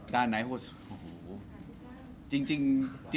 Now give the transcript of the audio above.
ด่านไหนโหดสุด